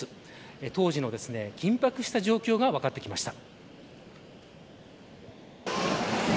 当時の緊迫した情報が分かってきました。